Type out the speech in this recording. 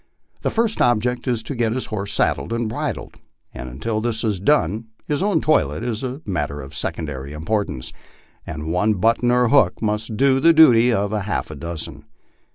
The first object is to get his horse saddled and bridled, and until this is done his own toilet is a matter of secondary importance, and one button or hook must do the duty of half a dozen.